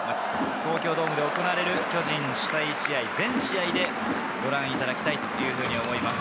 東京ドームで行われる巨人主催試合、全試合でご覧いただきたいと思います。